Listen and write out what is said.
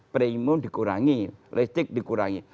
premium dikurangi listrik dikurangi